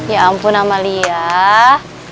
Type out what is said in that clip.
ya ampun ama liah